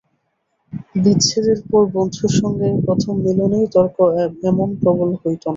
বিচ্ছেদের পর বন্ধুর সঙ্গে এই প্রথম মিলনেই তর্ক এমন প্রবল হইত না।